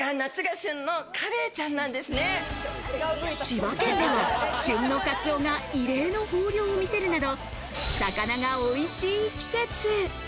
千葉県では旬のカツオが異例の豊漁を見せるなど、魚がおいしい季節。